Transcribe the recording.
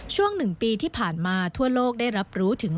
ช่วง๑ปีที่ผ่านมาทั่วโลกได้รับรู้ถึง